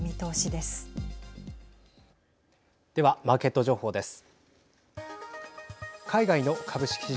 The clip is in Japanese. では、マーケット情報です。